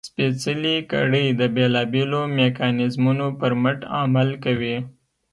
سپېڅلې کړۍ د بېلابېلو میکانیزمونو پر مټ عمل کوي.